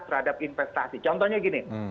terhadap investasi contohnya begini